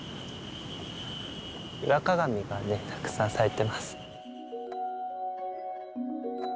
イワカガミがねたくさん咲いてます。